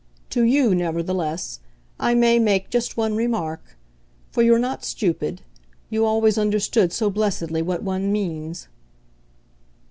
To YOU, nevertheless, I may make just one remark; for you're not stupid you always understand so blessedly what one means."